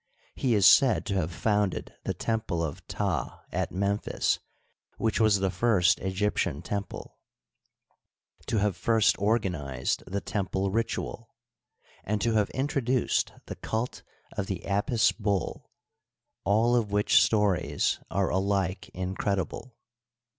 He is said to have founded the temple of Ptah at Memphis, which was the first Egyptian temple, to have first organized the temple ritual, and to have introduced the cult of the Apis bull— all of which stories are alike incredible.